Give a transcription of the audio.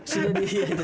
sudah diberi hati